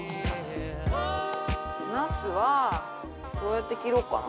茄子は、どうやって切ろうかな。